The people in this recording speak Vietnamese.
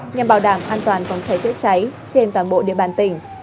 nhằm bảo đảm an toàn phòng cháy chữa cháy trên toàn bộ địa bàn tỉnh